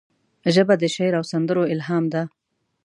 ژبه د شعر او سندرو الهام ده